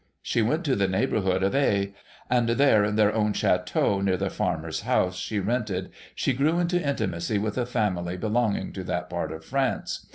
She went to the neighbourhood of Aix ; and there, in their own chateau near the farmer's house she rented, she grew into intimacy with a family belonging to that part of France.